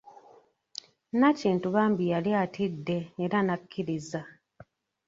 Nakintu bambi yali atidde era n'akkiriza.